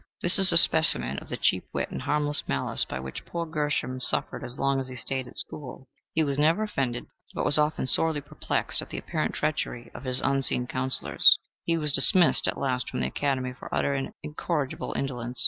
This is a specimen of the cheap wit and harmless malice by which poor Gershom suffered as long as he stayed at school. He was never offended, but was often sorely perplexed, at the apparent treachery of his unseen counselors. He was dismissed at last from the academy for utter and incorrigible indolence.